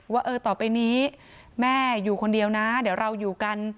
ว่าเออต่อไปนี้แม่อยู่คนเดียวนะเดี๋ยวเราอยู่กัน